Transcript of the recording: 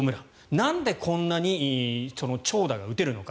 なんでこんなに長打が打てるのか。